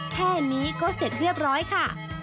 แค่นี้ก็เสร็จเรียบร้อยค่ะ